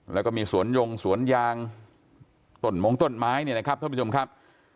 แล้วก็มีสวนยงสวนยางต้นมงต้นไม้เนี่ยนะครับท่านผู้ชมครับ